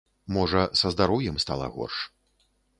Можа, са здароўем стала горш.